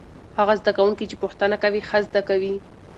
هغه زده کوونکي چې پوښتنه کوي ښه زده کوي.